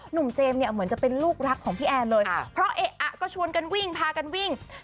เจมส์เนี่ยเหมือนจะเป็นลูกรักของพี่แอนเลยเพราะเอ๊ะอ่ะก็ชวนกันวิ่งพากันวิ่ง